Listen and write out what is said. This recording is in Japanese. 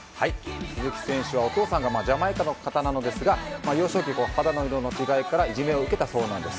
鈴木選手は、お父さんがジャマイカの方なのですが幼少期、肌の色の違いからいじめを受けたそうなんです。